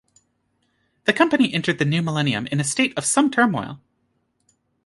The company entered the new millennium in a state of some turmoil.